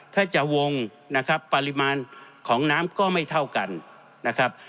ถ้าจะวงนะครับปริมาณของน้ำก็ไม่เท่ากันนะครับ